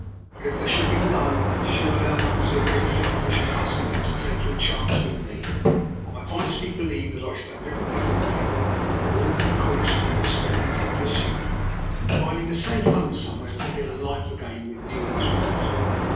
But if there should be none, surely I am not so very selfish in asking you to take your chance with me? I honestly believe that I shall have little difficulty, with ordinary caution, in escaping from pursuit, and finding a safe home somewhere to begin life in again with new interests.